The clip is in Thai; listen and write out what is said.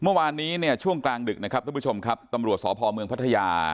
เมื่อวานนี้ช่วงกลางดึกทุกผู้ชมครับตำรวจสพเมืองพัทยา